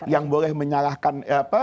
yang boleh menyalahkan